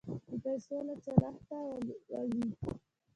پیسې له چلښته ولوېدې.